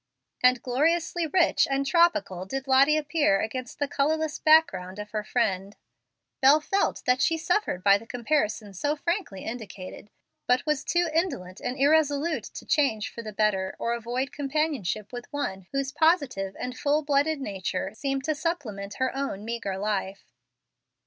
And gloriously rich and tropical did Lottie appear against the colorless background of her friend. Bel felt that she suffered by the comparison so frankly indicated, but was too indolent and irresolute to change for the better or avoid companionship with one whose positive and full blooded nature seemed to supplement her own meagre life.